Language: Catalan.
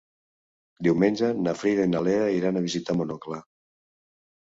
Diumenge na Frida i na Lea iran a visitar mon oncle.